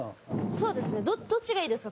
そうですねどっちがいいですか？